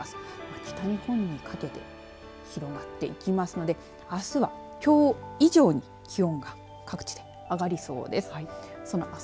北日本にかけて広がっていきますのであすは、きょう以上に気温が各地で上がりそうです。